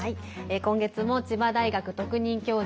今月も千葉大学特任教授